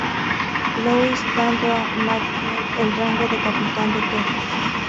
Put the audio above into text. Louis, dando a McDaniel el rango de capitán de Texas.